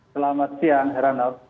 selamat siang heran